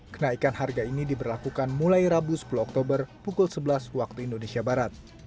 kenaikan harga ini diberlakukan mulai rabu sepuluh oktober pukul sebelas waktu indonesia barat